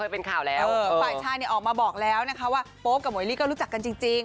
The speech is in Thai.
ป่ายชายออกมาบอกแล้วนะคะว่าโป๊ปกับหมวยลี่ก็รู้จักกันจริง